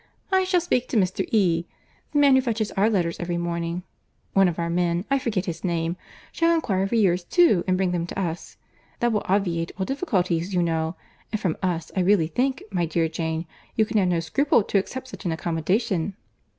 I shall speak to Mr. E. The man who fetches our letters every morning (one of our men, I forget his name) shall inquire for yours too and bring them to you. That will obviate all difficulties you know; and from us I really think, my dear Jane, you can have no scruple to accept such an accommodation."